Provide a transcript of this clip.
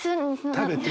食べて。